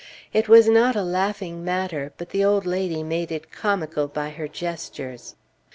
It was not a laughing matter; but the old lady made it comical by her gestures.